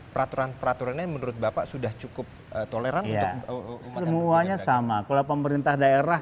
peraturan peraturan yang menurut bapak sudah cukup toleran semuanya sama kalau pemerintah daerah